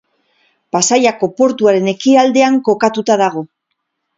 Pasaiako portuaren ekialdean kokatuta dago.